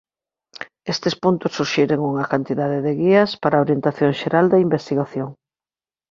Estes puntos suxiren unha cantidade de guías para a orientación xeral da investigación.